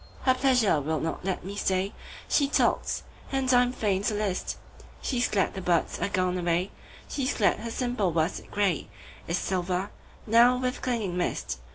Her pleasure will not let me stay. She talks and I am fain to list:She's glad the birds are gone away, She's glad her simple worsted grayIs silver now with clinging mist.